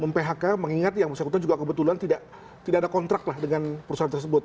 mem phk mengingat yang bersyakutan juga kebetulan tidak ada kontrak lah dengan perusahaan tersebut